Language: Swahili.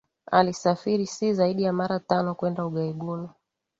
Alisafiri si zaidi ya mara tano kwenda ughaibuni